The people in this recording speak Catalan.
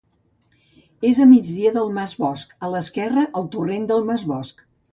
És a migdia del Mas Bosc, a l'esquerra el torrent del Mas Bosc.